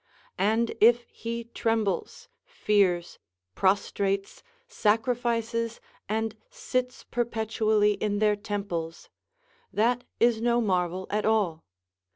And if he trembles, fears, prostrates, sacrifices, and sits perpetually in their temples, that is no marvel at all.